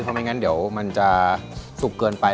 เพราะไม่งั้นเดี๋ยวมันจะสุกเกินไป